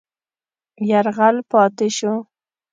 یرغل پاتې شو.